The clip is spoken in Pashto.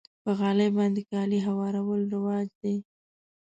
په غالۍ باندې کالي هوارول رواج دی.